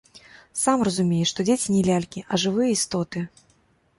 Сам разумееш, што дзеці не лялькі, а жывыя істоты.